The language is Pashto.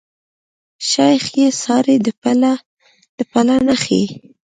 شيخ ئې څاري د پله نخښي